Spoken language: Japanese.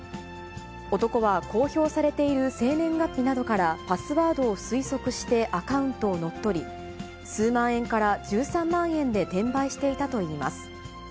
男は公表されている生年月日などからパスワードを推測してアカウントを乗っ取り、数万円から１３万円で転売していたといいます。